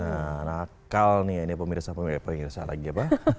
nah nakal nih ini pemirsa pemirsa yang irisa lagi apa